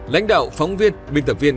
lãnh đạo phóng viên bình tập viên